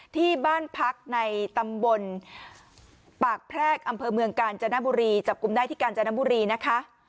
ที่บ้านพักในตำบลปากแพรกอำเภอเมืองกาญจนบุรีจับกลุ่มได้ที่กาญจนบุรีนะคะ